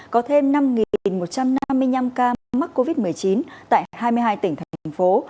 có thêm năm một trăm năm mươi năm ca mắc covid một mươi chín tại hai mươi hai tỉnh thành phố